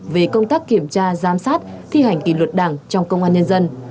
về công tác kiểm tra giám sát thi hành kỷ luật đảng trong công an nhân dân